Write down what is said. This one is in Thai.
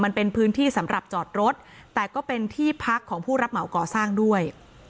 มันเป็นพื้นที่สำหรับจอดรถแต่ก็เป็นที่พักของผู้รับเหมาก่อสร้างด้วย